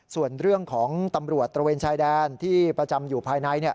ส่วนเรื่องของตำรวจตระเวนชายแดนที่ประจำอยู่ภายใน